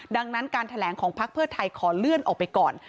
ดังนั้นการแถลงของพักเพื่อไทยขอเลื่อนออกไปก่อน